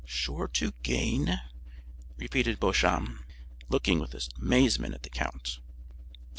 "Sure to gain!" repeated Beauchamp, looking with amazement at the count.